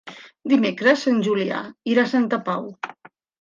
Dimecres en Julià irà a Santa Pau.